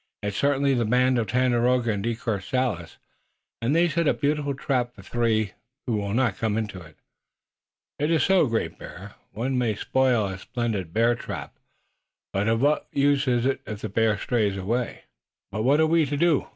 It's certainly the band of Tandakora and De Courcelles, and they've set a beautiful trap for three who will not come into it." "It is so, Great Bear. One may build a splendid bear trap but of what use is it if the bear stays away?" "But what are we to do?"